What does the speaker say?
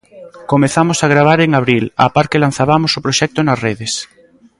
Comezamos a gravar en abril, á par que lanzabamos o proxecto nas redes.